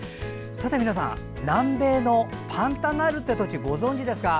さて、皆さん南米のパンタナールという土地ご存じですか？